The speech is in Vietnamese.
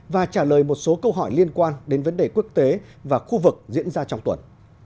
và trả lời một số câu hỏi liên quan đến vấn đề quốc tế và khu vực diễn ra trong tuần